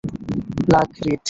লাগ, রীড।